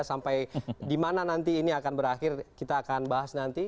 sampai di mana nanti ini akan berakhir kita akan bahas nanti